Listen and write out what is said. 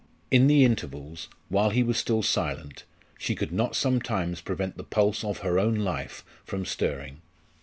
In the intervals, while he was still silent, she could not sometimes prevent the pulse of her own life from stirring.